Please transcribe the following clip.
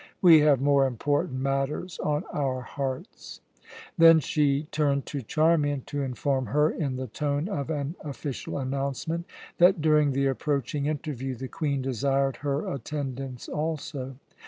We have more important matters on our hearts." Then she turned to Charmian to inform her, in the tone of an official announcement, that during the approaching interview the Queen desired her attendance also.